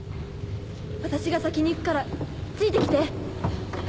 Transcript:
私が先に行くからついて来て。